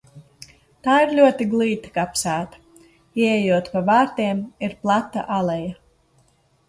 Tā ir ļoti glīta kapsēta – ieejot pa vārtiem ir plata aleja.